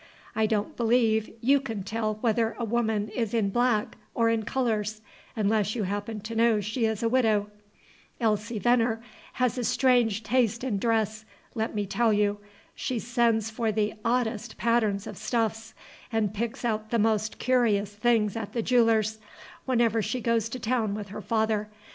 I don't believe you can tell whether a woman is in black or in colors, unless you happen to know she is a widow. Elsie Venner has a strange taste in dress, let me tell you. She sends for the oddest patterns of stuffs, and picks out the most curious things at the jeweller's, whenever she goes to town with her father.